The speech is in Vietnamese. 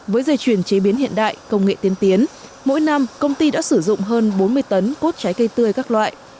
với dây chuyển chế biến hiện đại công nghệ tiến tiến mỗi năm công ty đã sử dụng hơn bốn mươi tấn cốt trái cây tươi các loại